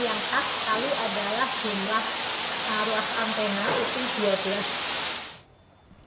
kemudian yang tak lalu adalah jumlah ruas antena itu dua belas